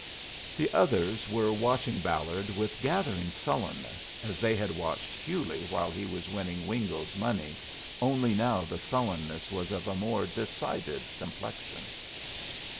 The others were watching Ballard with gathering sullenness, as they had watched Hewley while he was winning Wingo's money, only now the sullenness was of a more decided complexion.